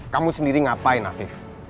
kamu sendiri ngapain afif